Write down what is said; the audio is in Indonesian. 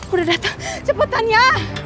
udah datang cepetan ya